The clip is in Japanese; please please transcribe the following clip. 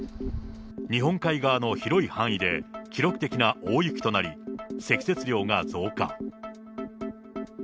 日本海側の広い範囲で記録的な大雪となり、積雪量が増加。